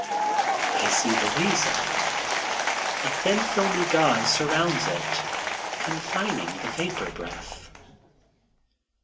I see the reason. A thin filmy gauze surrounds it confining the vapor breath.